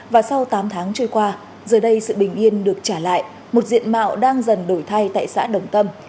và sau tám tháng trôi qua giờ đây sự bình yên được trả lại một diện mạo đang dần đổi thay tại xã đồng tâm